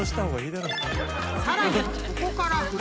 ［さらにここから］